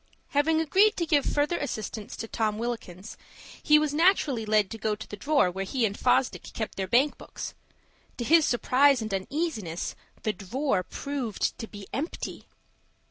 Having agreed to give further assistance to Tom Wilkins, he was naturally led to go to the drawer where he and Fosdick kept their bank books. To his surprise and uneasiness _the drawer proved to be empty!